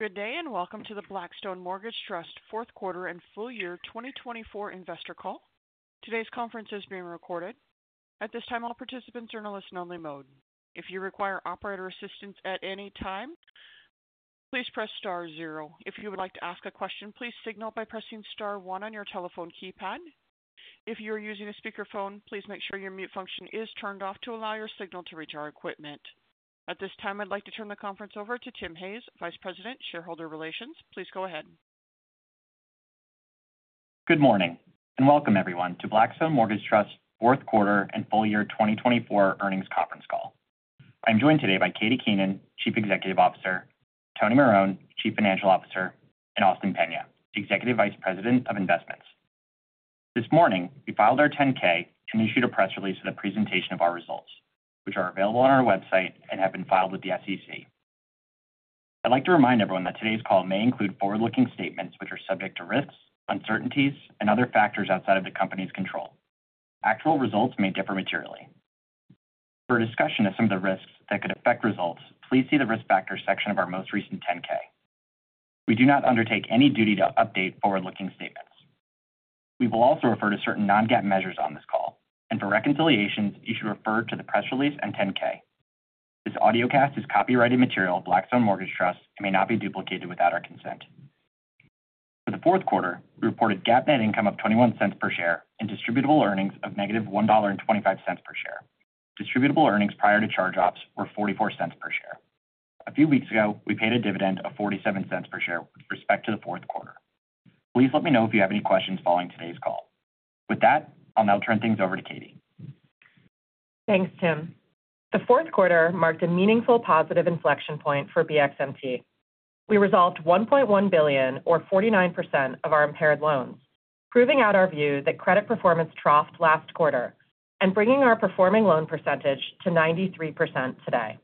Good day and welcome to the Blackstone Mortgage Trust Fourth Quarter and Full-Year 2024 Investor Call. Today's conference is being recorded. At this time, all participants are in a listen-only mode. If you require operator assistance at any time, please press star zero. If you would like to ask a question, please signal by pressing star one on your telephone keypad. If you are using a speakerphone, please make sure your mute function is turned off to allow your signal to reach our equipment. At this time, I'd like to turn the conference over to Tim Hayes, Vice President, Shareholder Relations. Please go ahead. Good morning and welcome, everyone, to Blackstone Mortgage Trust Fourth Quarter and Full-Year 2024 Earnings Conference Call. I'm joined today by Katie Keenan, Chief Executive Officer, Tony Marone, Chief Financial Officer, and Austin Peña, Executive Vice President of Investments. This morning, we filed our 10-K and issued a press release for the presentation of our results, which are available on our website and have been filed with the SEC. I'd like to remind everyone that today's call may include forward-looking statements which are subject to risks, uncertainties, and other factors outside of the company's control. Actual results may differ materially. For discussion of some of the risks that could affect results, please see the Risk Factors section of our most recent 10-K. We do not undertake any duty to update forward-looking statements. We will also refer to certain non-GAAP measures on this call, and for reconciliations, you should refer to the press release and 10-K. This audiocast is copyrighted material of Blackstone Mortgage Trust and may not be duplicated without our consent. For the fourth quarter, we reported GAAP net income of $0.21 per share and distributable earnings of -$1.25 per share. Distributable earnings prior to charge-offs were $0.44 per share. A few weeks ago, we paid a dividend of $0.47 per share with respect to the fourth quarter. Please let me know if you have any questions following today's call. With that, I'll now turn things over to Katie. Thanks, Tim. The fourth quarter marked a meaningful positive inflection point for BXMT. We resolved $1.1 billion, or 49%, of our impaired loans, proving out our view that credit performance troughed last quarter and bringing our performing loan percentage to 93% today.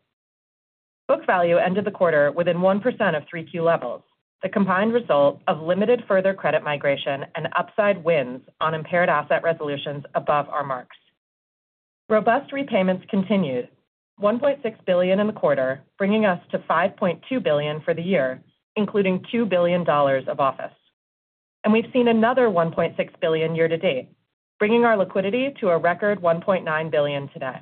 Book value ended the quarter within 1% of 3Q levels, the combined result of limited further credit migration and upside wins on impaired asset resolutions above our marks. Robust repayments continued, $1.6 billion in the quarter, bringing us to $5.2 billion for the year, including $2 billion of office. And we've seen another $1.6 billion year to date, bringing our liquidity to a record $1.9 billion today.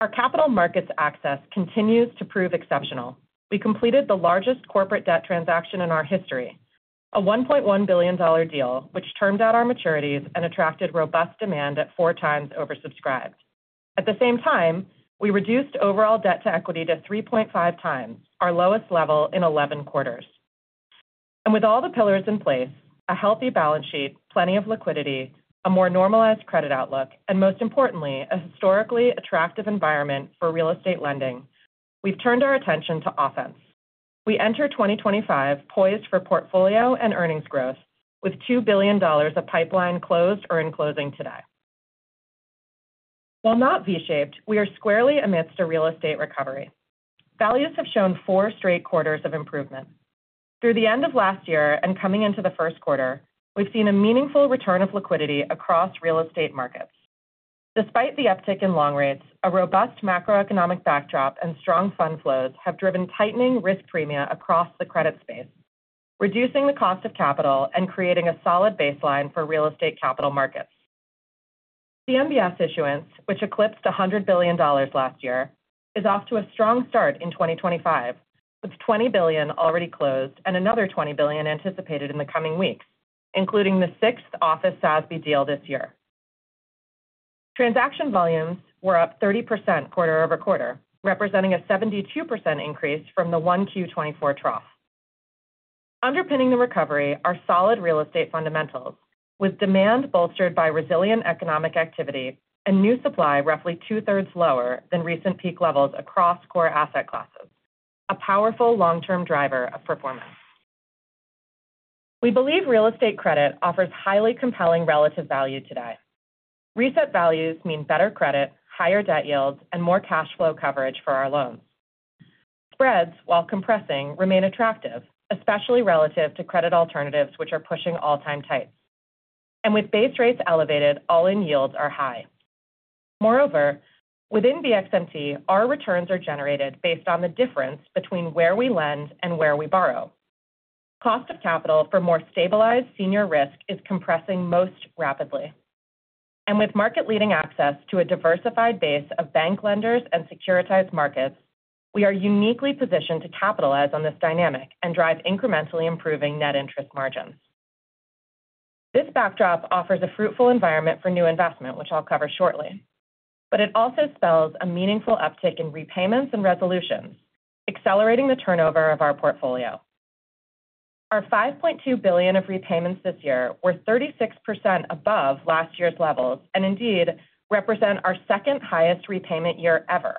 Our capital markets access continues to prove exceptional. We completed the largest corporate debt transaction in our history, a $1.1 billion deal, which termed out our maturities and attracted robust demand at four times oversubscribed. At the same time, we reduced overall debt to equity to 3.5 times, our lowest level in 11 quarters, and with all the pillars in place, a healthy balance sheet, plenty of liquidity, a more normalized credit outlook, and most importantly, a historically attractive environment for real estate lending, we've turned our attention to offense. We enter 2025 poised for portfolio and earnings growth, with $2 billion of pipeline closed or in closing today. While not V-shaped, we are squarely amidst a real estate recovery. Values have shown four straight quarters of improvement. Through the end of last year and coming into the first quarter, we've seen a meaningful return of liquidity across real estate markets. Despite the uptick in long rates, a robust macroeconomic backdrop and strong fund flows have driven tightening risk premia across the credit space, reducing the cost of capital and creating a solid baseline for real estate capital markets. CMBS issuance, which eclipsed $100 billion last year, is off to a strong start in 2025, with $20 billion already closed and another $20 billion anticipated in the coming weeks, including the sixth office SASB deal this year. Transaction volumes were up 30% quarter-over-quarter, representing a 72% increase from the 1Q 2024 trough. Underpinning the recovery are solid real estate fundamentals, with demand bolstered by resilient economic activity and new supply roughly 2/3 lower than recent peak levels across core asset classes, a powerful long-term driver of performance. We believe real estate credit offers highly compelling relative value today. Reset values mean better credit, higher debt yields, and more cash flow coverage for our loans. Spreads, while compressing, remain attractive, especially relative to credit alternatives which are pushing all-time tight, and with base rates elevated, all-in yields are high. Moreover, within BXMT, our returns are generated based on the difference between where we lend and where we borrow. Cost of capital for more stabilized senior risk is compressing most rapidly, and with market-leading access to a diversified base of bank lenders and securitized markets, we are uniquely positioned to capitalize on this dynamic and drive incrementally improving net interest margins. This backdrop offers a fruitful environment for new investment, which I'll cover shortly, but it also spells a meaningful uptick in repayments and resolutions, accelerating the turnover of our portfolio. Our $5.2 billion of repayments this year were 36% above last year's levels and indeed represent our second highest repayment year ever.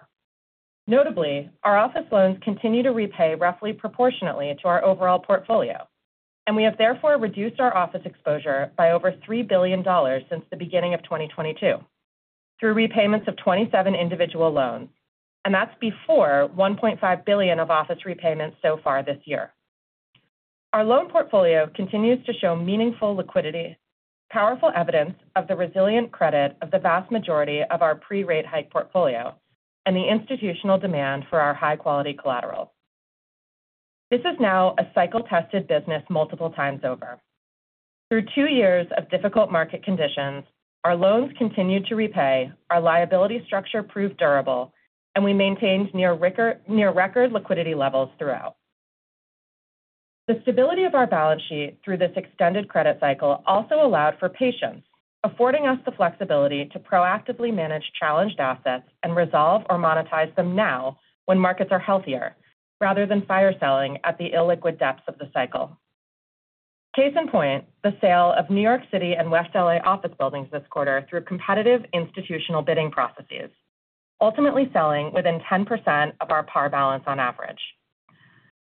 Notably, our office loans continue to repay roughly proportionately to our overall portfolio, and we have therefore reduced our office exposure by over $3 billion since the beginning of 2022 through repayments of 27 individual loans, and that's before $1.5 billion of office repayments so far this year. Our loan portfolio continues to show meaningful liquidity, powerful evidence of the resilient credit of the vast majority of our pre-rate hike portfolio, and the institutional demand for our high-quality collateral. This is now a cycle-tested business multiple times over. Through two years of difficult market conditions, our loans continued to repay, our liability structure proved durable, and we maintained near-record liquidity levels throughout. The stability of our balance sheet through this extended credit cycle also allowed for patience, affording us the flexibility to proactively manage challenged assets and resolve or monetize them now when markets are healthier, rather than fire-selling at the illiquid depths of the cycle. Case in point, the sale of New York City and West L.A. office buildings this quarter through competitive institutional bidding processes, ultimately selling within 10% of our par balance on average.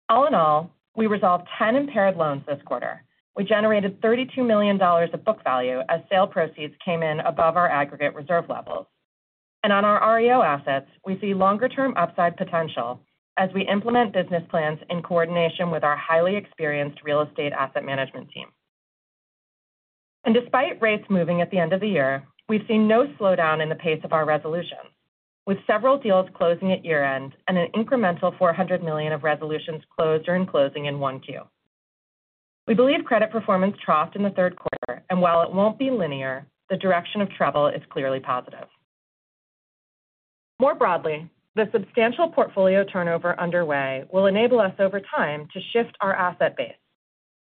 All in all, we resolved 10 impaired loans this quarter. We generated $32 million of book value as sale proceeds came in above our aggregate reserve levels. On our REO assets, we see longer-term upside potential as we implement business plans in coordination with our highly experienced real estate asset management team. Despite rates moving at the end of the year, we've seen no slowdown in the pace of our resolutions, with several deals closing at year-end and an incremental $400 million of resolutions closed or in closing in 1Q. We believe credit performance troughed in the third quarter, and while it won't be linear, the direction of travel is clearly positive. More broadly, the substantial portfolio turnover underway will enable us over time to shift our asset base,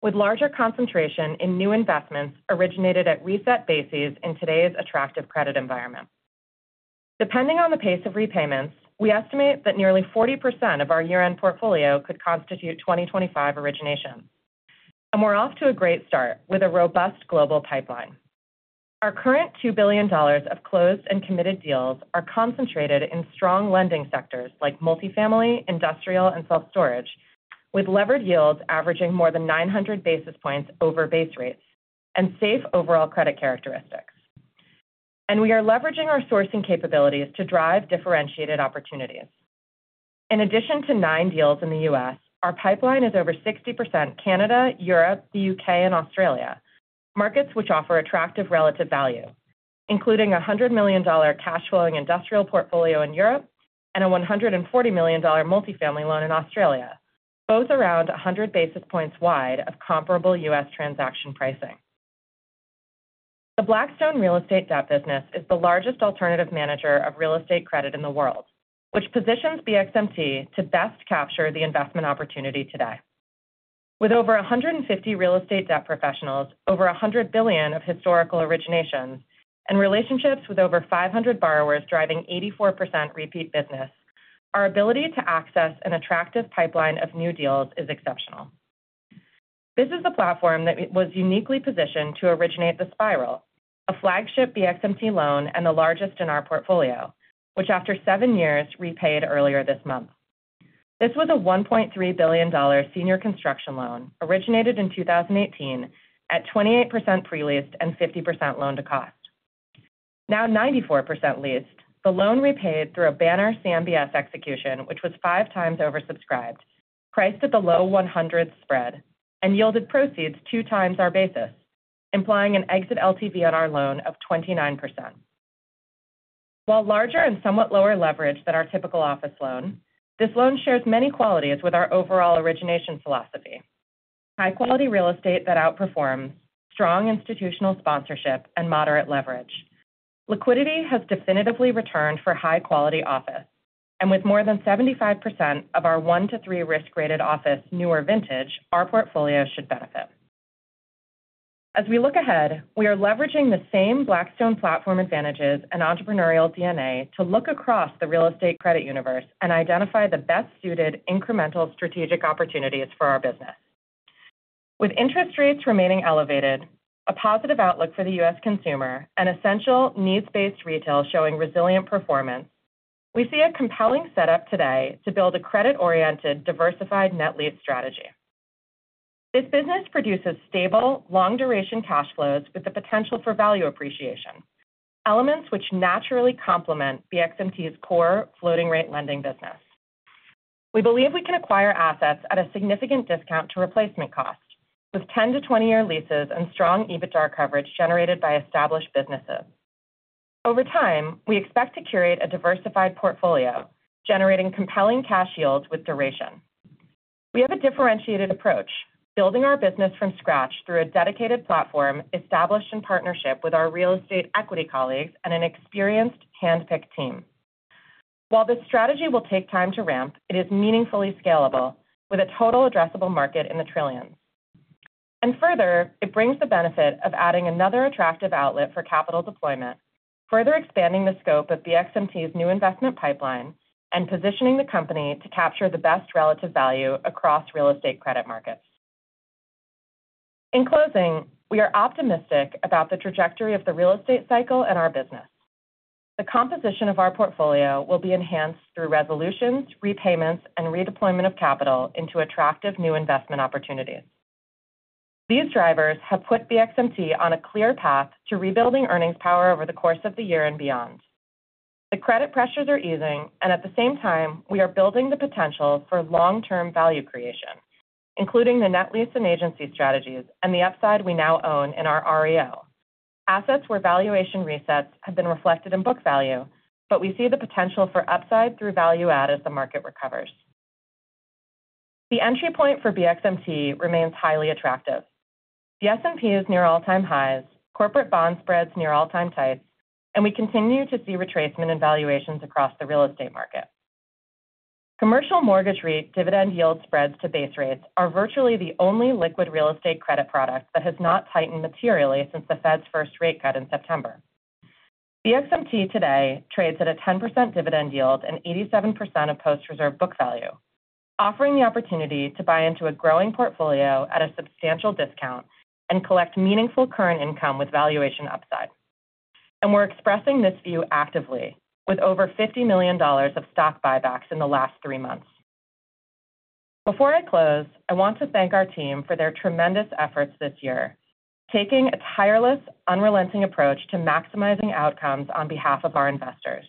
with larger concentration in new investments originated at reset bases in today's attractive credit environment. Depending on the pace of repayments, we estimate that nearly 40% of our year-end portfolio could constitute 2025 origination. We're off to a great start with a robust global pipeline. Our current $2 billion of closed and committed deals are concentrated in strong lending sectors like multifamily, industrial, and self-storage, with levered yields averaging more than 900 basis points over base rates and safe overall credit characteristics, and we are leveraging our sourcing capabilities to drive differentiated opportunities. In addition to nine deals in the U.S., our pipeline is over 60% Canada, Europe, the U.K., and Australia, markets which offer attractive relative value, including a $100 million cash-flowing industrial portfolio in Europe and a $140 million multifamily loan in Australia, both around 100 basis points wide of comparable U.S. transaction pricing. The Blackstone Real Estate Debt business is the largest alternative manager of real estate credit in the world, which positions BXMT to best capture the investment opportunity today. With over 150 real estate debt professionals, over $100 billion of historical originations, and relationships with over 500 borrowers driving 84% repeat business, our ability to access an attractive pipeline of new deals is exceptional. This is a platform that was uniquely positioned to originate The Spiral, a flagship BXMT loan and the largest in our portfolio, which after seven years repaid earlier this month. This was a $1.3 billion senior construction loan originated in 2018 at 28% pre-leased and 50% loan to cost. Now 94% leased, the loan repaid through a banner CMBS execution, which was five times oversubscribed, priced at the low 100 spread, and yielded proceeds two times our basis, implying an exit LTV on our loan of 29%. While larger and somewhat lower leverage than our typical office loan, this loan shares many qualities with our overall origination philosophy: high-quality real estate that outperforms, strong institutional sponsorship, and moderate leverage. Liquidity has definitively returned for high-quality office, and with more than 75% of our 1-3 risk-rated office new or vintage, our portfolio should benefit. As we look ahead, we are leveraging the same Blackstone platform advantages and entrepreneurial DNA to look across the real estate credit universe and identify the best-suited incremental strategic opportunities for our business. With interest rates remaining elevated, a positive outlook for the U.S. consumer, and essential needs-based retail showing resilient performance, we see a compelling setup today to build a credit-oriented, diversified net lease strategy. This business produces stable, long-duration cash flows with the potential for value appreciation, elements which naturally complement BXMT's core floating-rate lending business. We believe we can acquire assets at a significant discount to replacement cost, with 10- to 20-year leases and strong EBITDA coverage generated by established businesses. Over time, we expect to curate a diversified portfolio, generating compelling cash yields with duration. We have a differentiated approach, building our business from scratch through a dedicated platform established in partnership with our real estate equity colleagues and an experienced handpicked team. While this strategy will take time to ramp, it is meaningfully scalable, with a total addressable market in the trillions. And further, it brings the benefit of adding another attractive outlet for capital deployment, further expanding the scope of BXMT's new investment pipeline and positioning the company to capture the best relative value across real estate credit markets. In closing, we are optimistic about the trajectory of the real estate cycle and our business. The composition of our portfolio will be enhanced through resolutions, repayments, and redeployment of capital into attractive new investment opportunities. These drivers have put BXMT on a clear path to rebuilding earnings power over the course of the year and beyond. The credit pressures are easing, and at the same time, we are building the potential for long-term value creation, including the net lease and agency strategies and the upside we now own in our REO. Assets where valuation resets have been reflected in book value, but we see the potential for upside through value add as the market recovers. The entry point for BXMT remains highly attractive. The S&P is near all-time highs, corporate bond spreads near all-time tights, and we continue to see retracement in valuations across the real estate market. Commercial mortgage REIT dividend yield spreads to base rates are virtually the only liquid real estate credit product that has not tightened materially since the Fed's first rate cut in September. BXMT today trades at a 10% dividend yield and 87% of post-reserve book value, offering the opportunity to buy into a growing portfolio at a substantial discount and collect meaningful current income with valuation upside, and we're expressing this view actively, with over $50 million of stock buybacks in the last three months. Before I close, I want to thank our team for their tremendous efforts this year, taking a tireless, unrelenting approach to maximizing outcomes on behalf of our investors,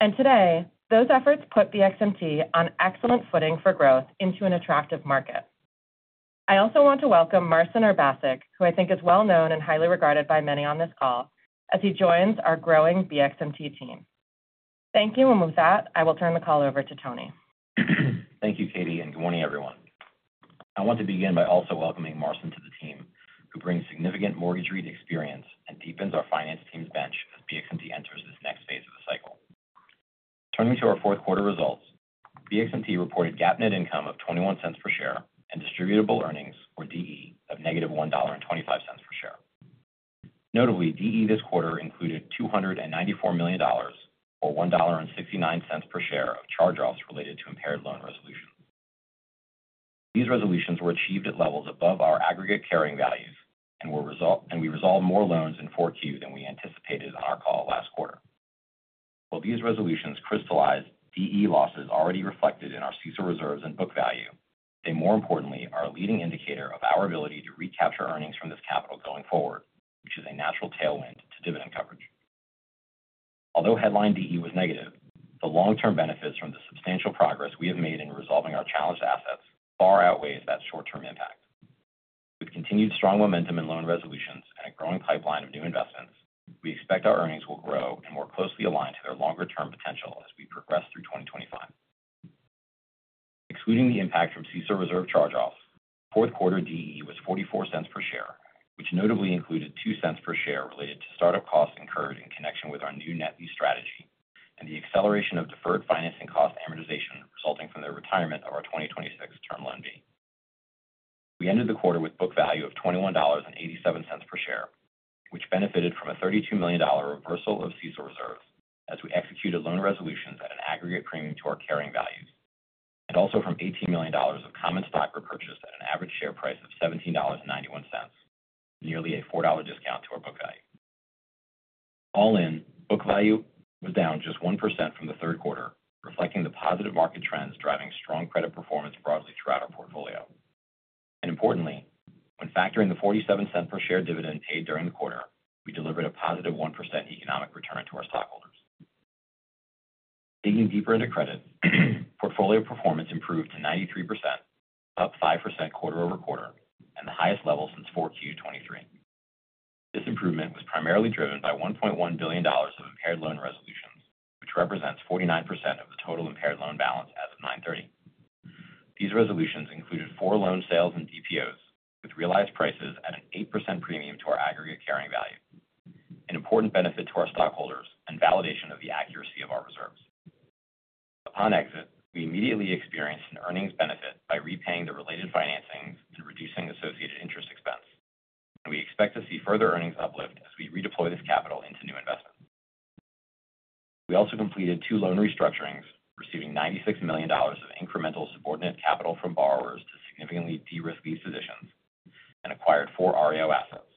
and today those efforts put BXMT on excellent footing for growth into an attractive market. I also want to welcome Marcin Urbaszek, who I think is well-known and highly regarded by many on this call, as he joins our growing BXMT team. Thank you, and with that, I will turn the call over to Tony. Thank you, Katie, and good morning, everyone. I want to begin by also welcoming Marcin to the team, who brings significant mortgage REIT experience and deepens our finance team's bench as BXMT enters this next phase of the cycle. Turning to our fourth quarter results, BXMT reported GAAP net income of $0.21 per share and distributable earnings, or DE, of negative $1.25 per share. Notably, DE this quarter included $294 million, or $1.69 per share, of charge-offs related to impaired loan resolutions. These resolutions were achieved at levels above our aggregate carrying values, and we resolved more loans in 4Q than we anticipated on our call last quarter. While these resolutions crystallized DE losses already reflected in our CECL reserves and book value, they more importantly are a leading indicator of our ability to recapture earnings from this capital going forward, which is a natural tailwind to dividend coverage. Although headline DE was negative, the long-term benefits from the substantial progress we have made in resolving our challenged assets far outweighs that short-term impact. With continued strong momentum in loan resolutions and a growing pipeline of new investments, we expect our earnings will grow and more closely align to their longer-term potential as we progress through 2025. Excluding the impact from CECL reserve charge-offs, fourth quarter DE was $0.44 per share, which notably included $0.02 per share related to startup costs incurred in connection with our new net lease strategy and the acceleration of deferred financing cost amortization resulting from the retirement of our 2026 Term Loan B. We ended the quarter with book value of $21.87 per share, which benefited from a $32 million reversal of CECL reserves as we executed loan resolutions at an aggregate premium to our carrying values, and also from $18 million of common stock repurchased at an average share price of $17.91, nearly a $4 discount to our book value. All in, book value was down just 1% from the third quarter, reflecting the positive market trends driving strong credit performance broadly throughout our portfolio. Importantly, when factoring the $0.47 per share dividend paid during the quarter, we delivered a positive 1% economic return to our stockholders. Digging deeper into credit, portfolio performance improved to 93%, up 5% quarter-over-quarter, and the highest level since 4Q 2023. This improvement was primarily driven by $1.1 billion of impaired loan resolutions, which represents 49% of the total impaired loan balance as of 9/30. These resolutions included four loan sales and DPOs, with realized prices at an 8% premium to our aggregate carrying value, an important benefit to our stockholders, and validation of the accuracy of our reserves. Upon exit, we immediately experienced an earnings benefit by repaying the related financings and reducing associated interest expense, and we expect to see further earnings uplift as we redeploy this capital into new investments. We also completed two loan restructurings, receiving $96 million of incremental subordinate capital from borrowers to significantly de-risk these positions and acquired four REO assets.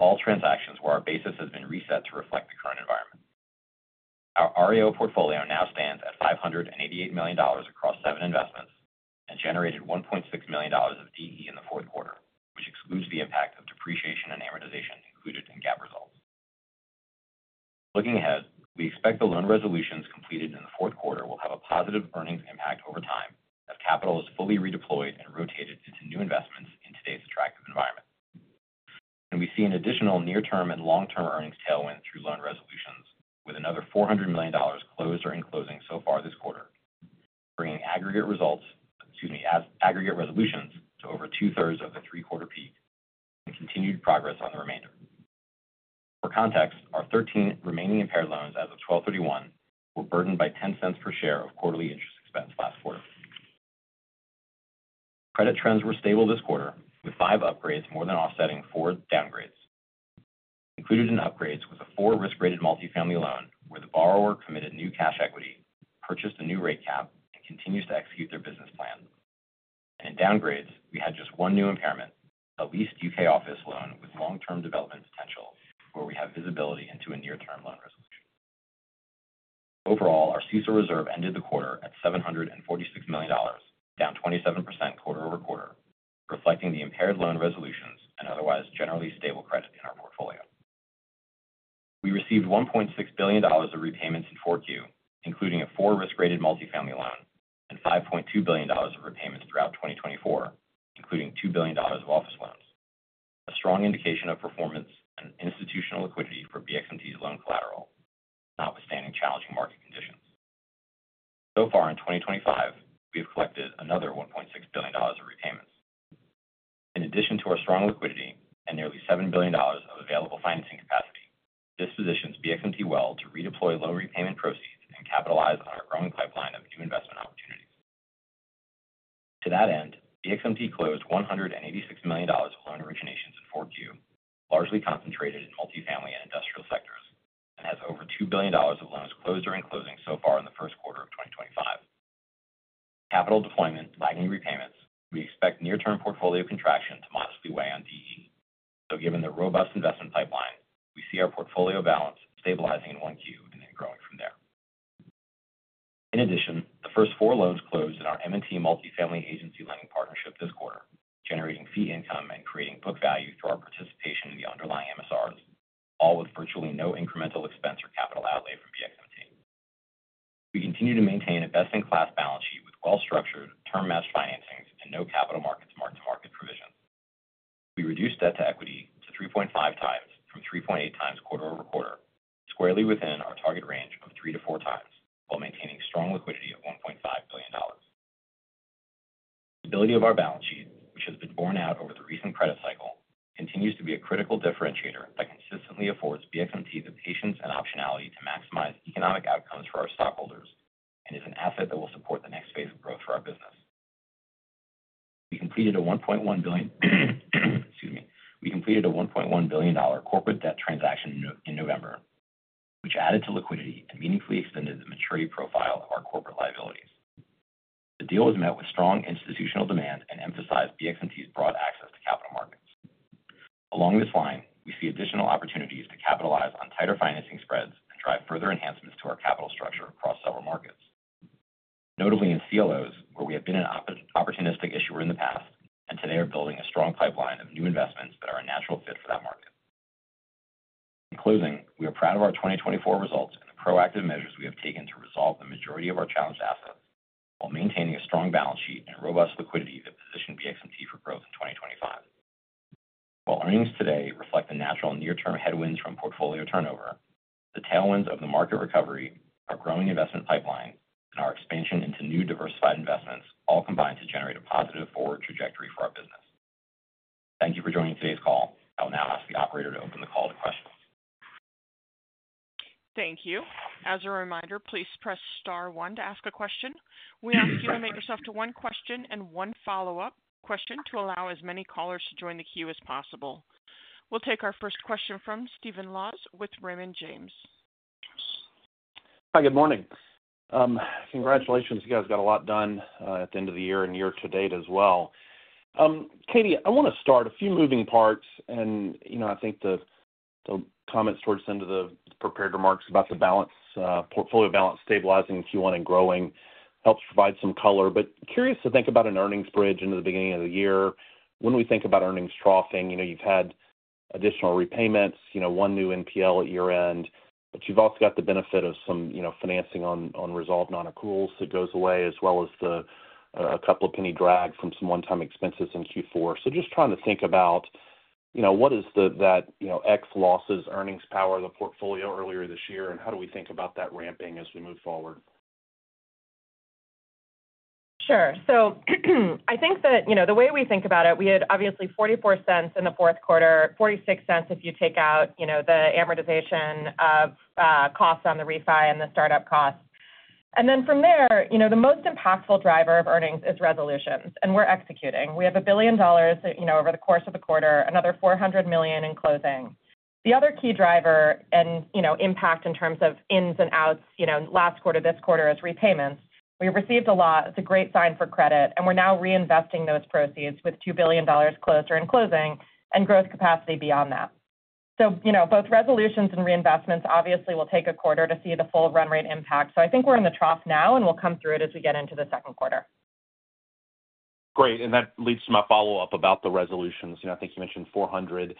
All transactions where our basis has been reset to reflect the current environment. Our REO portfolio now stands at $588 million across seven investments and generated $1.6 million of DE in the fourth quarter, which excludes the impact of depreciation and amortization included in GAAP results. Looking ahead, we expect the loan resolutions completed in the fourth quarter will have a positive earnings impact over time as capital is fully redeployed and rotated into new investments in today's attractive environment. And we see an additional near-term and long-term earnings tailwind through loan resolutions, with another $400 million closed or in closing so far this quarter, bringing aggregate results, excuse me, aggregate resolutions to over 2/3 of the three-quarter peak and continued progress on the remainder. For context, our 13 remaining impaired loans as of 12/31 were burdened by $0.10 per share of quarterly interest expense last quarter. Credit trends were stable this quarter, with five upgrades more than offsetting four downgrades. Included in upgrades was a four-risk-rated multifamily loan where the borrower committed new cash equity, purchased a new rate cap, and continues to execute their business plan. In downgrades, we had just one new impairment, a leased U.K. office loan with long-term development potential where we have visibility into a near-term loan resolution. Overall, our CECL reserve ended the quarter at $746 million, down 27% quarter-over-quarter, reflecting the impaired loan resolutions and otherwise generally stable credit in our portfolio. We received $1.6 billion of repayments in 4Q, including a four-risk-rated multifamily loan and $5.2 billion of repayments throughout 2024, including $2 billion of office loans, a strong indication of performance and institutional liquidity for BXMT's loan collateral, notwithstanding challenging market conditions. So far in 2025, we have collected another $1.6 billion of repayments. In addition to our strong liquidity and nearly $7 billion of available financing capacity, this positions BXMT well to redeploy loan repayment proceeds and capitalize on our growing pipeline of new investment opportunities. To that end, BXMT closed $186 million of loan originations in 4Q, largely concentrated in multifamily and industrial sectors, and has over $2 billion of loans closed or in closing so far in the first quarter of 2025. With capital deployment lagging repayments, we expect near-term portfolio contraction to modestly weigh on DE, so given the robust investment pipeline, we see our portfolio balance stabilizing in 1Q and then growing from there. In addition, the first four loans closed in our M&T multifamily agency lending partnership this quarter, generating fee income and creating book value through our participation in the underlying MSRs, all with virtually no incremental expense or capital outlay from BXMT. We continue to maintain a best-in-class balance sheet with well-structured, term-matched financings and no capital markets mark-to-market provisions. We reduced debt to equity to 3.5 times from 3.8 times quarter-over-quarter, squarely within our target range of three to four times, while maintaining strong liquidity of $1.5 billion. Stability of our balance sheet, which has been borne out over the recent credit cycle, continues to be a critical differentiator that consistently affords BXMT the patience and optionality to maximize economic outcomes for our stockholders and is an asset that will support the next phase of growth for our business. We completed a $1.1 billion, excuse me, we completed a $1.1 billion corporate debt transaction in November, which added to liquidity and meaningfully extended the maturity profile of our corporate liabilities. The deal was met with strong institutional demand and emphasized BXMT's broad access to capital markets. Along this line, we see additional opportunities to capitalize on tighter financing spreads and drive further enhancements to our capital structure across several markets, notably in CLOs, where we have been an opportunistic issuer in the past and today are building a strong pipeline of new investments that are a natural fit for that market. In closing, we are proud of our 2024 results and the proactive measures we have taken to resolve the majority of our challenged assets while maintaining a strong balance sheet and robust liquidity that position BXMT for growth in 2025. While earnings today reflect the natural near-term headwinds from portfolio turnover, the tailwinds of the market recovery, our growing investment pipeline, and our expansion into new diversified investments all combine to generate a positive forward trajectory for our business. Thank you for joining today's call. I will now ask the operator to open the call to questions. Thank you. As a reminder, please press star one to ask a question. We ask you to limit yourself to one question and one follow-up question to allow as many callers to join the queue as possible. We'll take our first question from Stephen Laws with Raymond James. Hi, good morning. Congratulations. You guys got a lot done at the end of the year and year-to-date as well. Katie, I want to start with a few moving parts, and I think the comments towards the end of the prepared remarks about the loan portfolio balance stabilizing in Q1 and growing helps provide some color, but I'm curious to think about an earnings bridge into the beginning of the year when we think about earnings troughing. You've had additional repayments, one new NPL at year-end, but you've also got the benefit of some financing on resolved non-accruals that goes away, as well as a couple of penny drags from some one-time expenses in Q4. So just trying to think about what is that ex-losses earnings power of the portfolio earlier this year, and how do we think about that ramping as we move forward? Sure. So I think that the way we think about it, we had obviously $0.44 in the fourth quarter, $0.46 if you take out the amortization of costs on the refi and the startup costs. And then from there, the most impactful driver of earnings is resolutions, and we're executing. We have $1 billion over the course of the quarter, another $400 million in closing. The other key driver and impact in terms of ins and outs last quarter, this quarter, is repayments. We received a lot. It's a great sign for credit, and we're now reinvesting those proceeds with $2 billion closer in closing and growth capacity beyond that. So both resolutions and reinvestments obviously will take a quarter to see the full run rate impact. So I think we're in the trough now, and we'll come through it as we get into the second quarter. Great. And that leads to my follow-up about the resolutions. I think you mentioned $400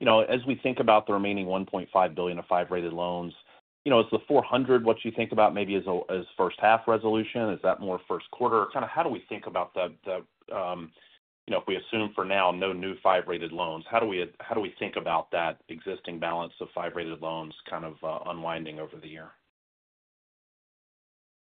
million. As we think about the remaining $1.5 billion of five-rated loans, is the $400 million what you think about maybe as first-half resolution? Is that more first quarter? Kind of, how do we think about the if we assume for now no new five-rated loans, how do we think about that existing balance of five-rated loans kind of unwinding over the year?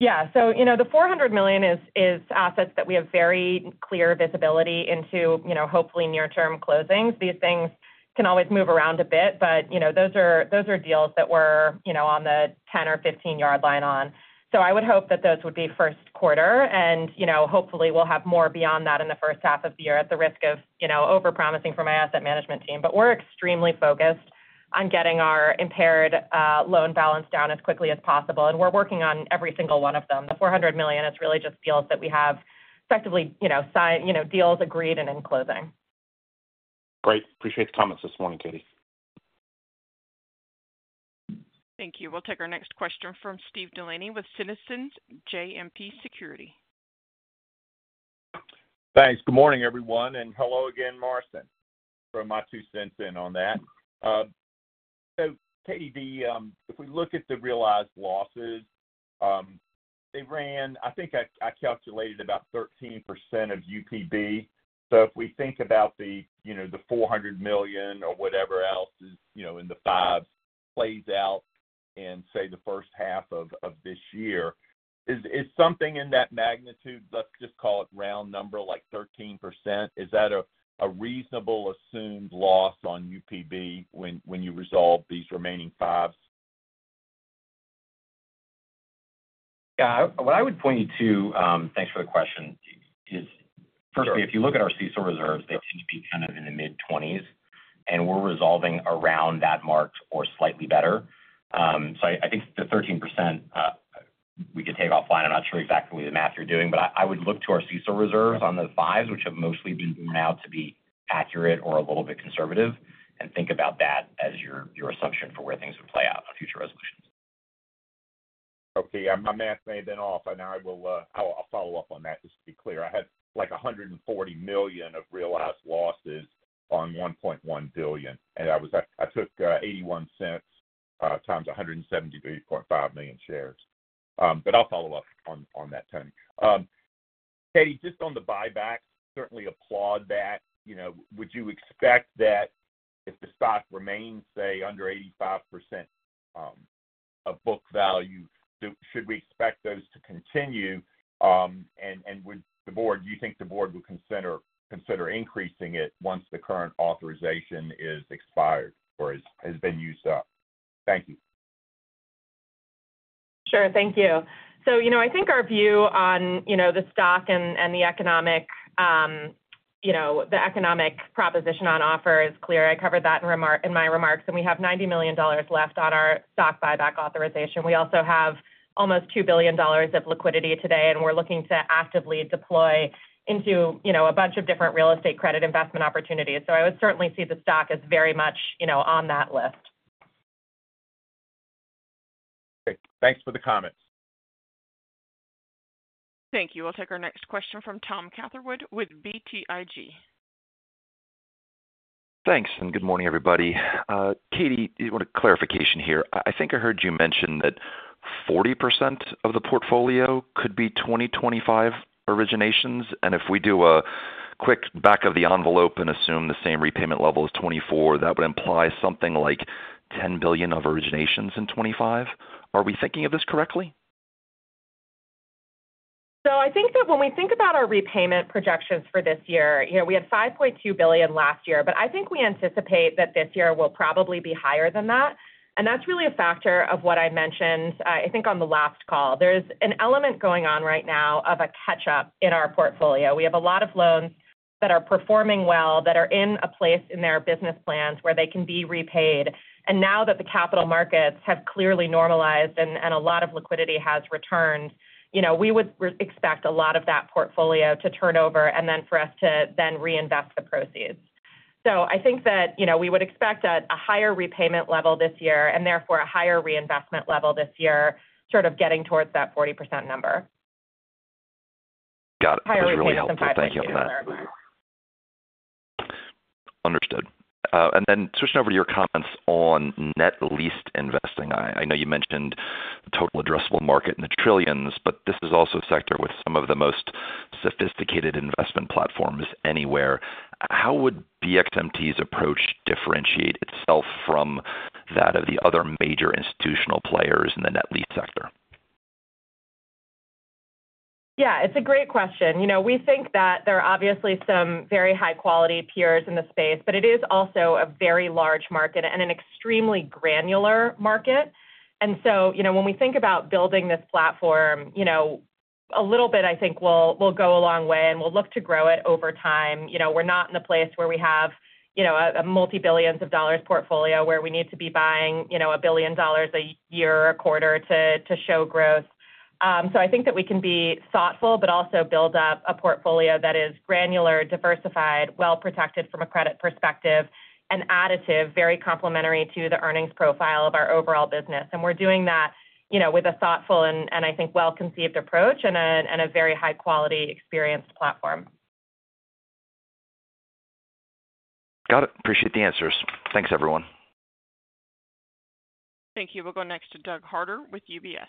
Yeah. So the $400 million is assets that we have very clear visibility into hopefully near-term closings. These things can always move around a bit, but those are deals that we're on the 10 or 15-yard line on. So I would hope that those would be first quarter, and hopefully we'll have more beyond that in the first half of the year at the risk of overpromising from my asset management team. But we're extremely focused on getting our impaired loan balance down as quickly as possible, and we're working on every single one of them. The $400 million is really just deals that we have effectively deals agreed and in closing. Great. Appreciate the comments this morning, Katie. Thank you. We'll take our next question from Steve Delaney with Citizens JMP Securities. Thanks. Good morning, everyone, and hello again, Marcin, to throw my two cents in on that. So Katie, if we look at the realized losses, they ran, I think I calculated about 13% of UPB. So if we think about the $400 million or whatever else is in the fives. Plays out in, say, the first half of this year, is something in that magnitude, let's just call it round number, like 13%, is that a reasonable assumed loss on UPB when you resolve these remaining fives? Yeah. What I would point you to, thanks for the question, is firstly, if you look at our CECL reserves, they tend to be kind of in the mid-20s, and we're resolving around that mark or slightly better. I think the 13% we could take offline. I'm not sure exactly the math you're doing, but I would look to our CECL reserves on the fives, which have mostly been borne out to be accurate or a little bit conservative, and think about that as your assumption for where things would play out on future resolutions. Okay. Yeah. My math may have been off, and I will follow up on that just to be clear. I had like $140 million of realized losses on $1.1 billion, and I took $0.81 times 178.5 million shares. But I'll follow up on that one. Katie, just on the buybacks, certainly applaud that. Would you expect that if the stock remains, say, under 85% of book value, should we expect those to continue? And would the board do you think the Board would consider increasing it once the current authorization is expired or has been used up? Thank you. Sure. Thank you. So I think our view on the stock and the economic proposition on offer is clear. I covered that in my remarks, and we have $90 million left on our stock buyback authorization. We also have almost $2 billion of liquidity today, and we're looking to actively deploy into a bunch of different real estate credit investment opportunities. So I would certainly see the stock as very much on that list. Okay. Thanks for the comments. Thank you. We'll take our next question from Tom Catherwood with BTIG. Thanks. And good morning, everybody. Katie, I want a clarification here. I think I heard you mention that 40% of the portfolio could be 2025 originations. If we do a quick back of the envelope and assume the same repayment level as 2024, that would imply something like $10 billion of originations in 2025. Are we thinking of this correctly? I think that when we think about our repayment projections for this year, we had $5.2 billion last year, but I think we anticipate that this year will probably be higher than that. That's really a factor of what I mentioned, I think, on the last call. There's an element going on right now of a catch-up in our portfolio. We have a lot of loans that are performing well, that are in a place in their business plans where they can be repaid. And now that the capital markets have clearly normalized and a lot of liquidity has returned, we would expect a lot of that portfolio to turn over and then for us to then reinvest the proceeds. So I think that we would expect a higher repayment level this year and therefore a higher reinvestment level this year, sort of getting towards that 40% number. Got it. That's really helpful. Thank you on that. Understood. And then switching over to your comments on net lease investing. I know you mentioned total addressable market in the trillions, but this is also a sector with some of the most sophisticated investment platforms anywhere. How would BXMT's approach differentiate itself from that of the other major institutional players in the net lease sector? Yeah. It's a great question. We think that there are obviously some very high-quality peers in the space, but it is also a very large market and an extremely granular market. And so when we think about building this platform, a little bit, I think, will go a long way, and we'll look to grow it over time. We're not in a place where we have a multi-billion-dollar portfolio where we need to be buying $1 billion a year or a quarter to show growth. So I think that we can be thoughtful, but also build up a portfolio that is granular, diversified, well-protected from a credit perspective, and additive, very complementary to the earnings profile of our overall business. And we're doing that with a thoughtful and, I think, well-conceived approach and a very high-quality, experienced platform. Got it. Appreciate the answers. Thanks, everyone. Thank you. We'll go next to Doug Harter with UBS.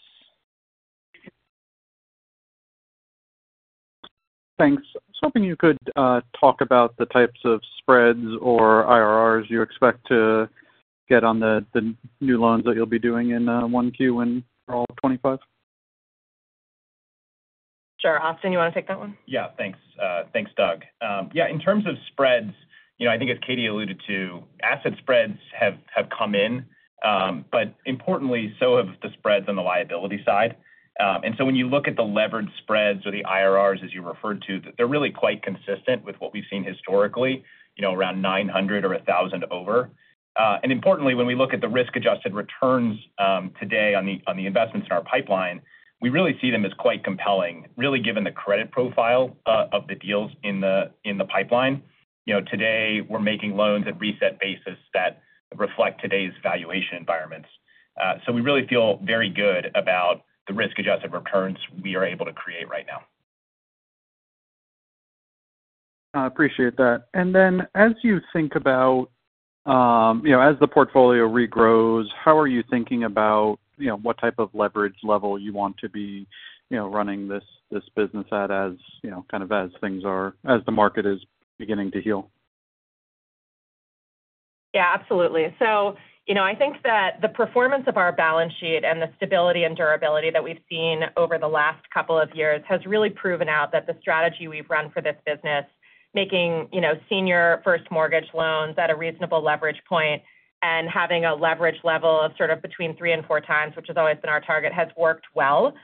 Thanks. I was hoping you could talk about the types of spreads or IRRs you expect to get on the new loans that you'll be doing in 1Q and all of 2025. Sure. Austin, you want to take that one? Yeah. Thanks. Thanks, Doug. Yeah. In terms of spreads, I think, as Katie alluded to, asset spreads have come in, but importantly, so have the spreads on the liability side. And so when you look at the levered spreads or the IRRs, as you referred to, they're really quite consistent with what we've seen historically, around 900 or 1,000 over. And importantly, when we look at the risk-adjusted returns today on the investments in our pipeline, we really see them as quite compelling, really given the credit profile of the deals in the pipeline. Today, we're making loans at reset basis that reflect today's valuation environments. So we really feel very good about the risk-adjusted returns we are able to create right now. I appreciate that. And then as you think about, as the portfolio regrows, how are you thinking about what type of leverage level you want to be running this business at kind of as things are, as the market is beginning to heal? Yeah. Absolutely. So I think that the performance of our balance sheet and the stability and durability that we've seen over the last couple of years has really proven out that the strategy we've run for this business, making senior first mortgage loans at a reasonable leverage point and having a leverage level of sort of between three and four times, which has always been our target, has worked well.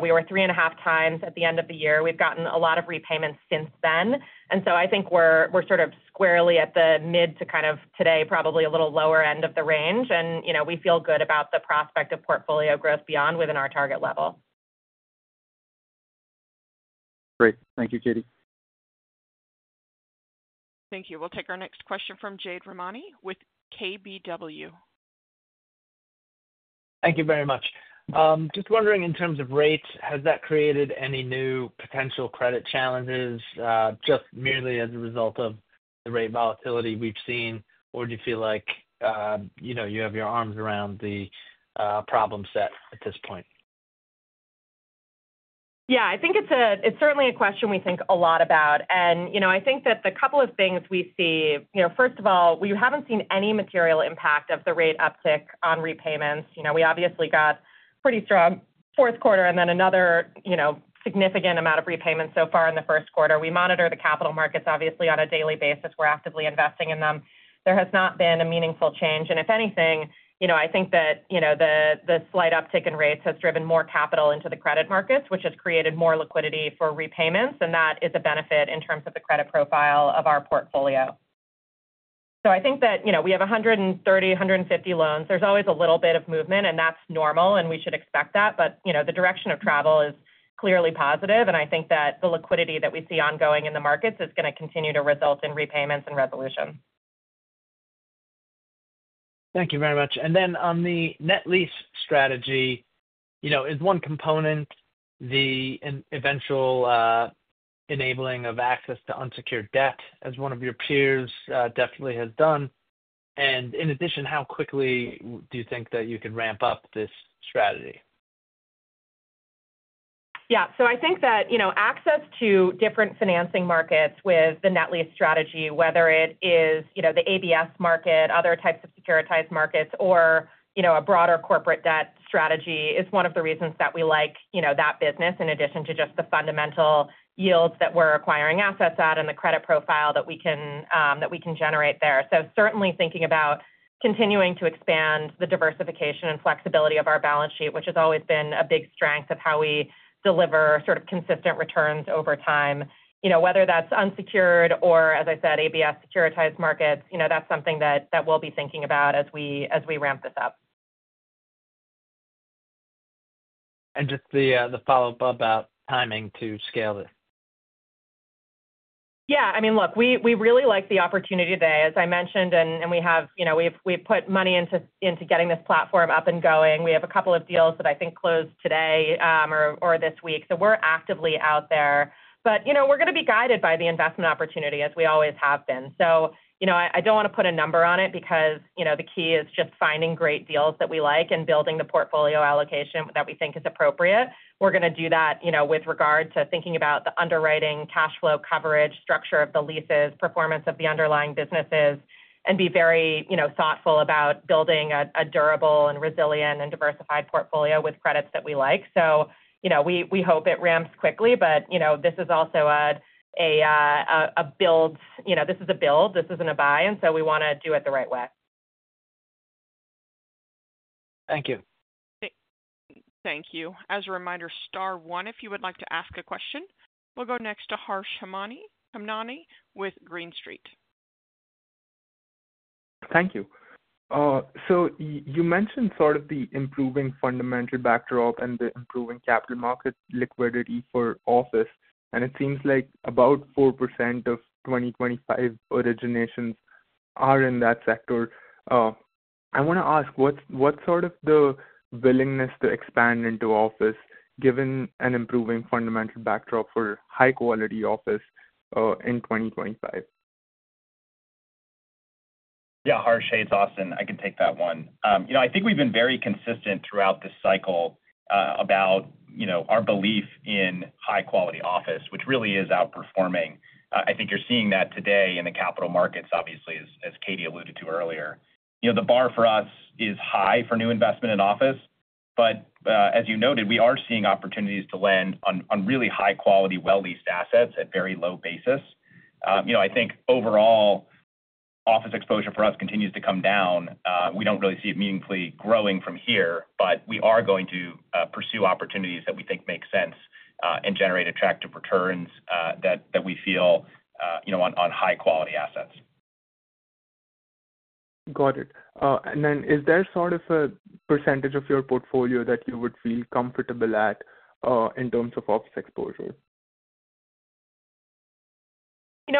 We were 3.5 times at the end of the year. We've gotten a lot of repayments since then. And so I think we're sort of squarely at the mid to kind of today, probably a little lower end of the range, and we feel good about the prospect of portfolio growth beyond within our target level. Great. Thank you, Katie. Thank you. We'll take our next question from Jade Rahmani with KBW. Thank you very much. Just wondering, in terms of rates, has that created any new potential credit challenges just merely as a result of the rate volatility we've seen, or do you feel like you have your arms around the problem set at this point? Yeah. I think it's certainly a question we think a lot about. I think that a couple of things we see. First of all, we haven't seen any material impact of the rate uptick on repayments. We obviously got pretty strong fourth quarter and then another significant amount of repayments so far in the first quarter. We monitor the capital markets, obviously, on a daily basis. We're actively investing in them. There has not been a meaningful change. And if anything, I think that the slight uptick in rates has driven more capital into the credit markets, which has created more liquidity for repayments, and that is a benefit in terms of the credit profile of our portfolio. So I think that we have 130, 150 loans. There's always a little bit of movement, and that's normal, and we should expect that. But the direction of travel is clearly positive, and I think that the liquidity that we see ongoing in the markets is going to continue to result in repayments and resolution. Thank you very much. And then on the net lease strategy, is one component the eventual enabling of access to unsecured debt, as one of your peers definitely has done? And in addition, how quickly do you think that you can ramp up this strategy? Yeah. So I think that access to different financing markets with the net lease strategy, whether it is the ABS market, other types of securitized markets, or a broader corporate debt strategy, is one of the reasons that we like that business in addition to just the fundamental yields that we're acquiring assets at and the credit profile that we can generate there. So certainly thinking about continuing to expand the diversification and flexibility of our balance sheet, which has always been a big strength of how we deliver sort of consistent returns over time. Whether that's unsecured or, as I said, ABS securitized markets, that's something that we'll be thinking about as we ramp this up. And just the follow-up about timing to scale this. Yeah. I mean, look, we really like the opportunity today, as I mentioned, and we have put money into getting this platform up and going. We have a couple of deals that I think closed today or this week. So we're actively out there. But we're going to be guided by the investment opportunity, as we always have been. So I don't want to put a number on it because the key is just finding great deals that we like and building the portfolio allocation that we think is appropriate. We're going to do that with regard to thinking about the underwriting, cash flow, coverage, structure of the leases, performance of the underlying businesses, and be very thoughtful about building a durable and resilient and diversified portfolio with credits that we like. So we hope it ramps quickly, but this is also a build. This is a build. This isn't a buy. And so we want to do it the right way. Thank you. Thank you. As a reminder, star one, if you would like to ask a question, we'll go next to Harsh Hemnani with Green Street. Thank you. So you mentioned sort of the improving fundamental backdrop and the improving capital market liquidity for office, and it seems like about 4% of 2025 originations are in that sector. I want to ask, what's sort of the willingness to expand into office given an improving fundamental backdrop for high-quality office in 2025? Yeah. Harsh Hemnani, Austin, I can take that one. I think we've been very consistent throughout this cycle about our belief in high-quality office, which really is outperforming. I think you're seeing that today in the capital markets, obviously, as Katie alluded to earlier. The bar for us is high for new investment in office, but as you noted, we are seeing opportunities to land on really high-quality, well-leased assets at very low basis. I think overall, office exposure for us continues to come down. We don't really see it meaningfully growing from here, but we are going to pursue opportunities that we think make sense and generate attractive returns that we feel on high-quality assets. Got it. And then is there sort of a percentage of your portfolio that you would feel comfortable at in terms of office exposure?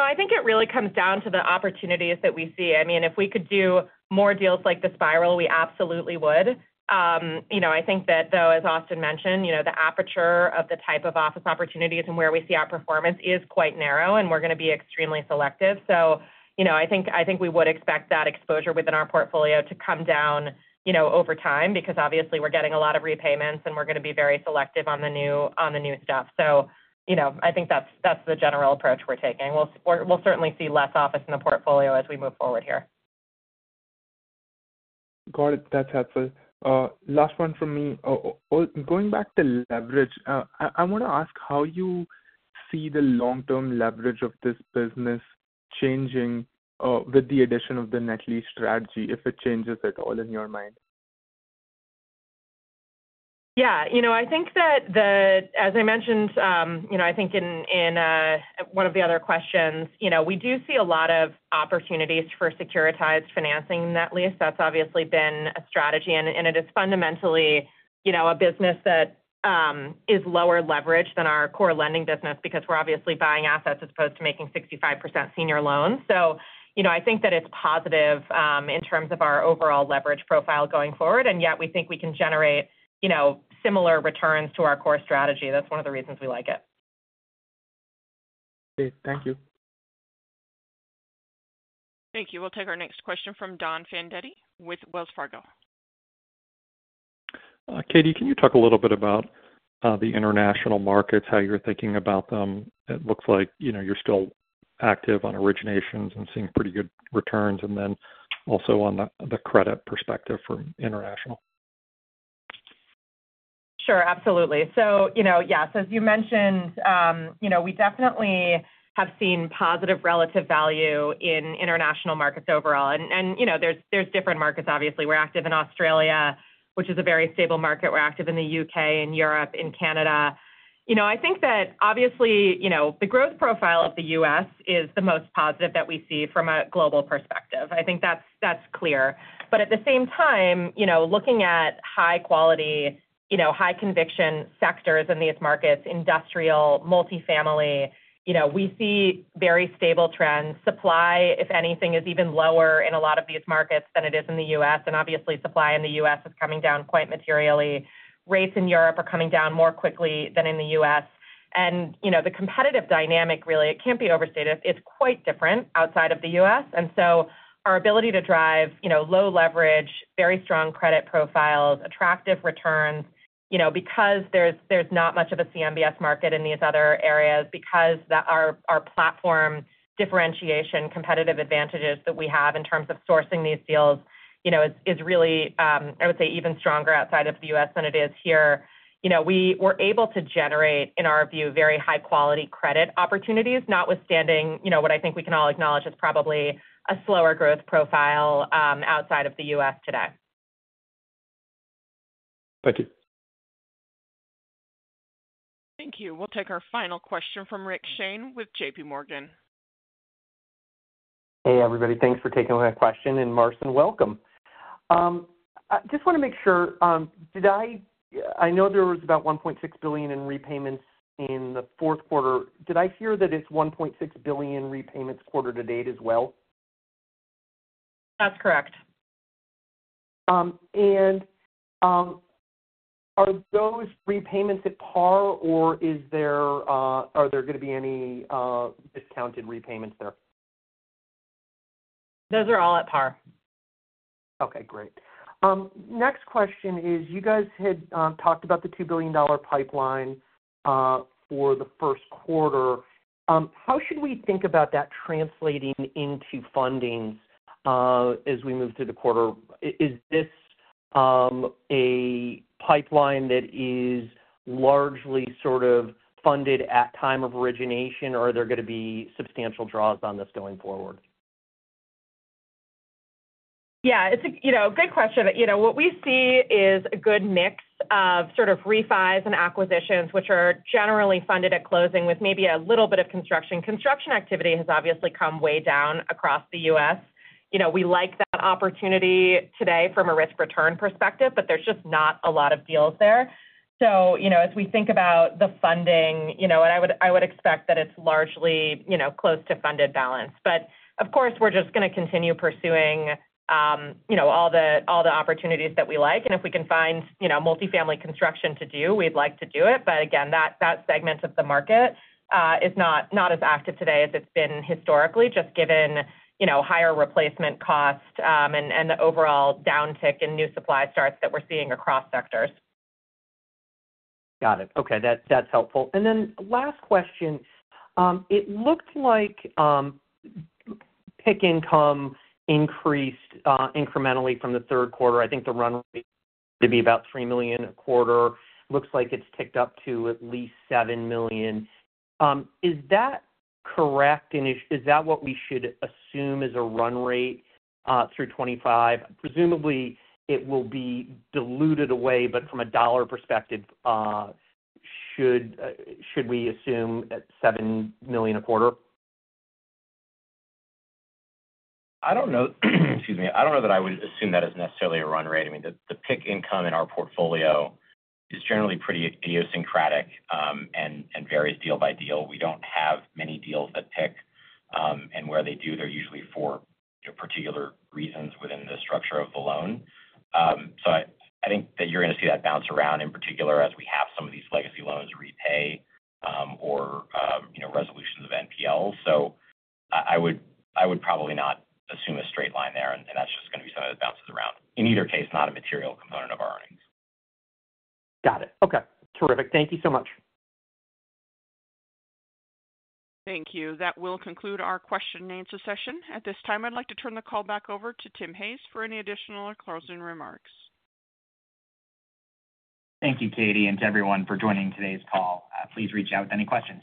I think it really comes down to the opportunities that we see. I mean, if we could do more deals like The Spiral, we absolutely would. I think that, though, as Austin mentioned, the aperture of the type of office opportunities and where we see our performance is quite narrow, and we're going to be extremely selective. So I think we would expect that exposure within our portfolio to come down over time because, obviously, we're getting a lot of repayments, and we're going to be very selective on the new stuff. So I think that's the general approach we're taking. We'll certainly see less office in the portfolio as we move forward here. Got it. That's helpful. Last one from me. Going back to leverage, I want to ask how you see the long-term leverage of this business changing with the addition of the net lease strategy, if it changes at all in your mind. Yeah. I think that, as I mentioned, I think in one of the other questions, we do see a lot of opportunities for securitized financing in that lease. That's obviously been a strategy, and it is fundamentally a business that is lower leverage than our core lending business because we're obviously buying assets as opposed to making 65% senior loans. So I think that it's positive in terms of our overall leverage profile going forward, and yet we think we can generate similar returns to our core strategy. That's one of the reasons we like it. Got it. Thank you. Thank you. We'll take our next question from Don Fandetti with Wells Fargo. Katie, can you talk a little bit about the international markets, how you're thinking about them? It looks like you're still active on originations and seeing pretty good returns, and then also on the credit perspective for international. Sure. Absolutely. So yes, as you mentioned, we definitely have seen positive relative value in international markets overall. And there's different markets, obviously. We're active in Australia, which is a very stable market. We're active in the U.K., in Europe, in Canada. I think that, obviously, the growth profile of the U.S. is the most positive that we see from a global perspective. I think that's clear. But at the same time, looking at high-quality, high-conviction sectors in these markets, industrial, multifamily, we see very stable trends. Supply, if anything, is even lower in a lot of these markets than it is in the U.S. And obviously, supply in the U.S. is coming down quite materially. Rates in Europe are coming down more quickly than in the U.S. And the competitive dynamic, really, it can't be overstated, is quite different outside of the U.S. And so our ability to drive low leverage, very strong credit profiles, attractive returns because there's not much of a CMBS market in these other areas, because our platform differentiation, competitive advantages that we have in terms of sourcing these deals is really, I would say, even stronger outside of the U.S. than it is here. We were able to generate, in our view, very high-quality credit opportunities, notwithstanding what I think we can all acknowledge is probably a slower growth profile outside of the U.S. today. Thank you. Thank you. We'll take our final question from Rick Shane with JPMorgan. Hey, everybody. Thanks for taking my question. And, Marcin, welcome. I just want to make sure. I know there was about $1.6 billion in repayments in the fourth quarter. Did I hear that it's $1.6 billion repayments quarter to date as well? That's correct. Are those repayments at par, or are there going to be any discounted repayments there? Those are all at par. Okay. Great. Next question is, you guys had talked about the $2 billion pipeline for the first quarter. How should we think about that translating into fundings as we move through the quarter? Is this a pipeline that is largely sort of funded at time of origination, or are there going to be substantial draws on this going forward? Yeah. It's a good question. What we see is a good mix of sort of refis and acquisitions, which are generally funded at closing with maybe a little bit of construction. Construction activity has obviously come way down across the U.S. We like that opportunity today from a risk-return perspective, but there's just not a lot of deals there. So as we think about the funding, I would expect that it's largely close to funded balance. But, of course, we're just going to continue pursuing all the opportunities that we like. And if we can find multifamily construction to do, we'd like to do it. But again, that segment of the market is not as active today as it's been historically, just given higher replacement costs and the overall downtick in new supply starts that we're seeing across sectors. Got it. Okay. That's helpful. And then last question. It looked like PIK income increased incrementally from the third quarter. I think the run rate would be about $3 million a quarter. Looks like it's ticked up to at least $7 million. Is that correct? And is that what we should assume as a run rate through 2025? Presumably, it will be diluted away, but from a dollar perspective, should we assume $7 million a quarter? I don't know. Excuse me. I don't know that I would assume that is necessarily a run rate. I mean, the PIK income in our portfolio is generally pretty idiosyncratic and varies deal by deal. We don't have many deals that PIK, and where they do, they're usually for particular reasons within the structure of the loan. So I think that you're going to see that bounce around, in particular, as we have some of these legacy loans repay or resolutions of NPLs. So I would probably not assume a straight line there, and that's just going to be something that bounces around. In either case, not a material component of our earnings. Got it. Okay. Terrific. Thank you so much. Thank you. That will conclude our question-and-answer session. At this time, I'd like to turn the call back over to Tim Hayes for any additional or closing remarks. Thank you, Katie, and to everyone for joining today's call. Please reach out with any questions.